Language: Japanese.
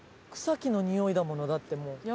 草木のにおいだものだってもう。